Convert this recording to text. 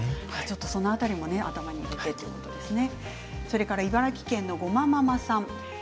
その辺りも頭に入れてということですね。